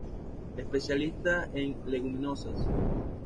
Especialista en leguminosas.